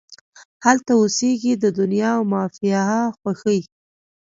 هلته اوسیږې د دنیا او مافیها خوښۍ